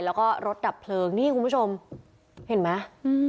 แล้วก็รถดับเพลิงนี่คุณผู้ชมเห็นไหม